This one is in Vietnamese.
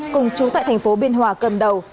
cùng chú tại thành phố biên hòa cầm đầu